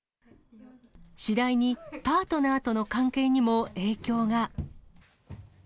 次第にパートナーとの関係にも影響が。